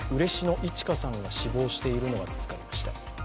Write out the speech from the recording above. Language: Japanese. いち花さんが死亡しているのが見つかりました。